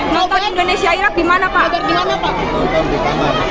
nonton indonesia irak dimana pak